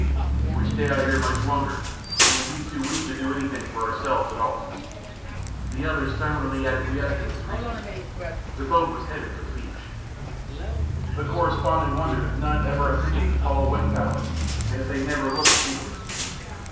If we stay out here much longer we will be too weak to do anything for ourselves at all." The others silently acquiesced in this reasoning. The boat was headed for the beach. The correspondent wondered if none ever ascended the tall wind tower, and if then they never looked seaward.